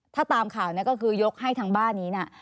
ถ้าตามข่าวนี้ก็คือยกให้ทางบ้านนี้นะ